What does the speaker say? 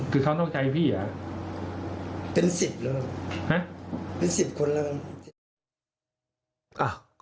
คือเขาต้องใจพี่หรือเป็นสิบแล้วเป็นสิบคนแล้วกัน